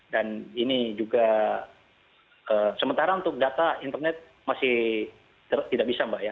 dan ini juga sementara untuk data internet masih tidak bisa mbak ya